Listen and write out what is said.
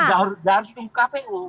ya gak harus di kpu